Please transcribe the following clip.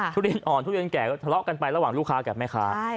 ทุเรียนอ่อนทุเรียนแก่ก็ทะเลาะกันไประหว่างลูกค้ากับแม่ค้า